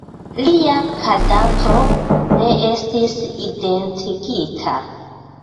Lia kadavro ne estis identigita.